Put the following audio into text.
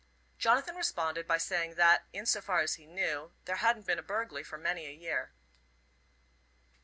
Jonathan responded by saying that, in so far as he knew, there hadn't been a burglary for many a year.